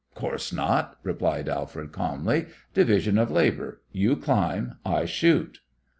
"Course not," replied Alfred, calmly. "Division of labour: you climb; I shoot."